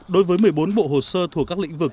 đối với một mươi bốn bộ hồ sơ thuộc các lĩnh vực